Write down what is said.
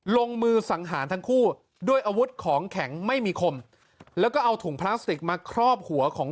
ลงมือสังหารทั้งคู่ด้วยอาวุธของแข็งไม่มีคมแล้วก็เอาถุงพลาสติกมาครอบหัวของ